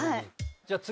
じゃあ次。